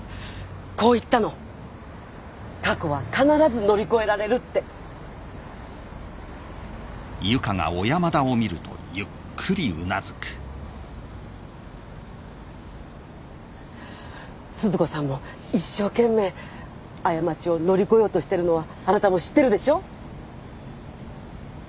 こう言ったの過去は必ず乗り越えられるって鈴子さんも一生懸命過ちを乗り越えようとしてるのはあなたも知ってるでしょう？